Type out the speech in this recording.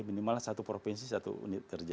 minimal satu provinsi satu unit kerja